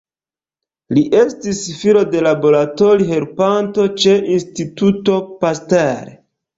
Li estis filo de laboratori-helpanto ĉe Instituto Pasteur.